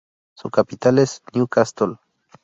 Su capital es Newcastle.